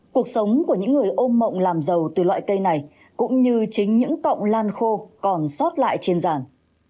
cuộc sống của những người ôm mộng làm giàu từ loại cây này cũng như chính những cọng lan khô còn sót lại trên giàn